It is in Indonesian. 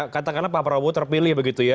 katakanlah pak prabowo terpilih begitu ya